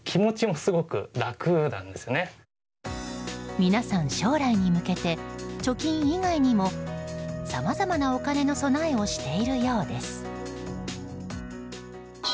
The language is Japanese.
皆さん、将来に向けて貯金以外にもさまざまなお金の備えをしているようです。